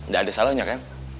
gak ada salahnya kan